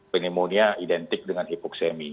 pneumonia identik dengan hipoksemi